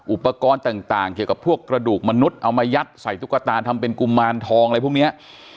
อุปกรณ์ต่างเกี่ยวกับพวกกระดูกมนุษย์เอามายัดใส่ตุ๊กตาทำเป็นกุมารทองอะไรพวกนี้